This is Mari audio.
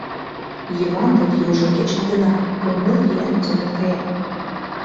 Йыван дек южо кечын гына кум-ныл еҥ толын кая.